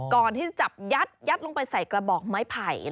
ก่อนที่จะจับยัดลงไปใส่กระบอกไม้ไผ่